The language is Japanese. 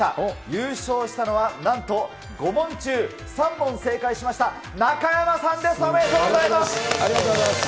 優勝したのは、なんと５問中３問正解しました、中山さんです、おめでとうございありがとうございます。